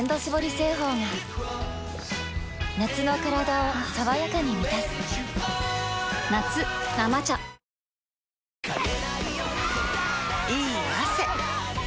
製法が夏のカラダを爽やかに満たす夏「生茶」いい汗。